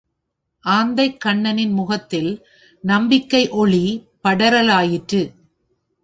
ஆந்தைக்கண்ணனின் முகத்தில் நம்பிக்கை ஒளி படரலாயிற்று.